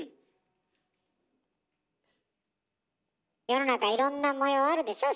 世の中いろんな模様あるでしょ？